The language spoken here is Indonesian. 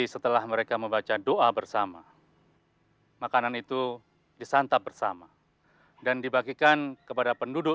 setelah mereka membaca doa bersama makanan itu disantap bersama dan dibagikan kepada penduduk